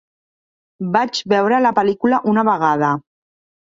Vaig veure la pel·lícula una vegada.